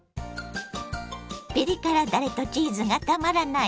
ピリ辛だれとチーズがたまらない